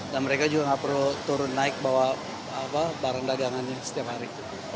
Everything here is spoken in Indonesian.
dan mereka juga nggak perlu turun naik bawa barang dagangannya setiap hari